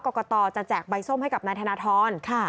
กรกตจะแจกใบส้มให้กับนายธนทร